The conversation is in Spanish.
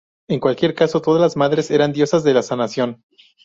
En cualquier caso, todas las madres eran diosas de la sanación.